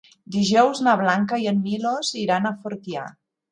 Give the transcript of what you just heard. Dijous na Blanca i en Milos iran a Fortià.